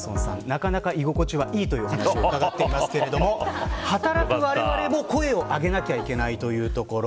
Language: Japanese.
なかなか居心地はいいというお話を伺っていますが働くわれわれも、声を上げなきゃいけないというところ。